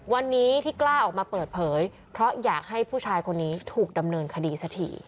วันนี้ที่กล้าออกมาเปิดเผยเพราะอยากให้ผู้ชายคนนี้ถูกดำเนินคดีสักที